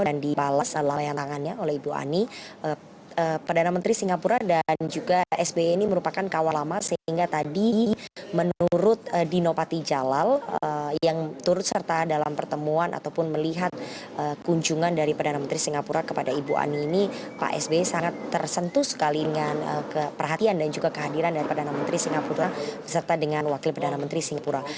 yang dibalas layan tangannya oleh ibu ani perdana menteri singapura dan juga sby ini merupakan kawal lama sehingga tadi menurut dinopati jalal yang turut serta dalam pertemuan ataupun melihat kunjungan dari perdana menteri singapura kepada ibu ani ini pak sby sangat tersentuh sekali dengan keperhatian dan juga kehadiran dari perdana menteri singapura beserta dengan wakil perdana menteri singapura